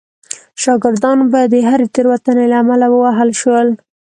شاګردان به د هرې تېروتنې له امله ووهل شول.